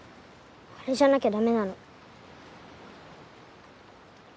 あれじゃなきゃ駄目なの。